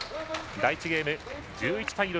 第１ゲーム、１１対６。